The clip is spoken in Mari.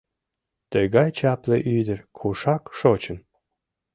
Тыгай чапле ӱдыр кушак шочын?